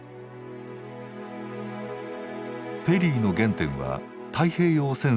ペリーの原点は太平洋戦争にある。